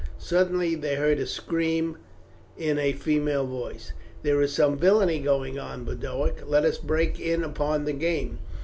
Suddenly they heard a scream in a female voice. "There is some villainy going on, Boduoc, let us break in upon the game."